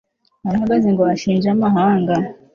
arahagaze ngo ashinje amahanga